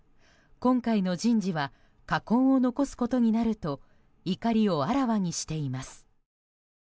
今回の人事は禍根を残すことになると怒りをあらわにしています。